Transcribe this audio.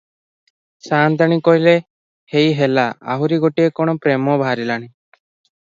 ସାଆନ୍ତାଣୀ କହିଲେ ହେଇ ହେଲା, ଆହୁରି ଗୋଟାଏ କ’ଣ ପ୍ରେମ ବାହାରିଲାଣି ।